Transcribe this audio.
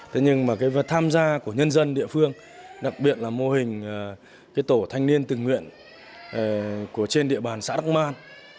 thế nhưng mà cái vật tham gia của nhân dân địa phương đặc biệt là mô hình cái tổ thanh niên tình nguyện trên địa bàn xã đắc man